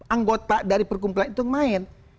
anggota dari perkumpulan itu main